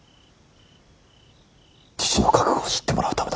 父の覚悟を知ってもらうためだ。